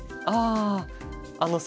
ああ。